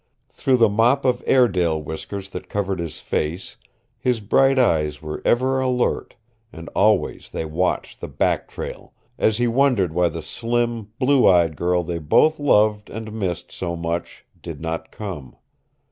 Through the mop of Airedale whiskers that covered his face his bright eyes were ever alert, and always they watched the back trail as he wondered why the slim, blue eyed girl they both loved and missed so much did not come.